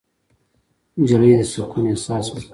نجلۍ د سکون احساس ورکوي.